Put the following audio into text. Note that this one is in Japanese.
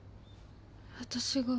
私が。